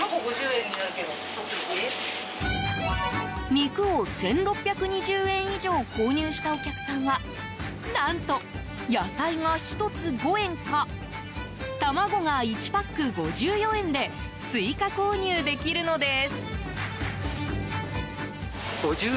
肉を１６２０円以上購入したお客さんは何と、野菜が１つ５円か卵が１パック５４円で追加購入できるのです。